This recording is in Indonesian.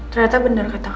ternyata bener kata kamu